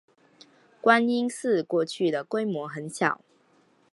观音寺过去的规模很小。